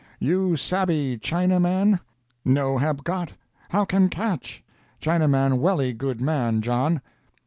You sabby Chinaman? No hab got, how can catch? Chinaman welly good man, John.